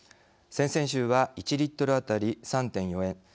先々週は１リットル当たり３．４円